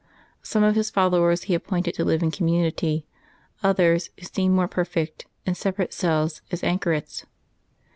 Some of his followers he appointed to live in community; others, who seemed more perfect, in separate cells as anchorets.